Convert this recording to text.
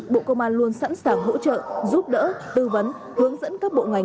bộ công an luôn sẵn sàng hỗ trợ giúp đỡ tư vấn hướng dẫn các bộ ngành